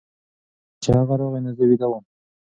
کله چې هغه راغی نو زه ویده وم.